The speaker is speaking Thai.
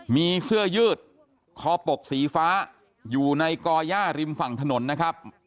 มีเสื้อยืดคอปกสีฟ้าอยู่ในก่อย่าริมฝั่งถนนนะครับ